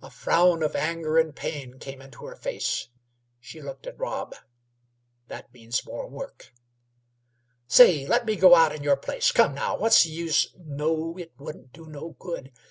A frown of anger and pain came into her face. She looked at Rob. "That means more work." "Say! let me go out in your place. Come, now; what's the use " "No; it wouldn't do no good.